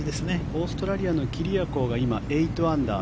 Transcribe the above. オーストラリアのキリアコーが今、８アンダー。